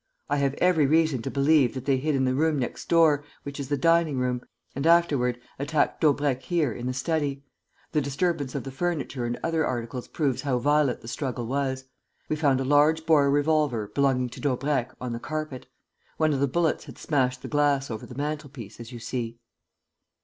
I have every reason to believe that they hid in the room next door, which is the dining room, and afterward attacked Daubrecq here, in the study. The disturbance of the furniture and other articles proves how violent the struggle was. We found a large bore revolver, belonging to Daubrecq, on the carpet. One of the bullets had smashed the glass over the mantel piece, as you see."